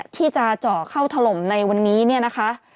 ที่จะเจาะเข้าถล่มในวันนี้เนี่ยนะคะ